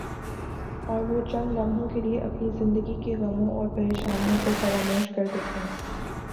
اور وہ چند لمحوں کے لئے اپنی زندگی کے غموں اور پر یشانیوں کو فراموش کر دیتے ہیں ۔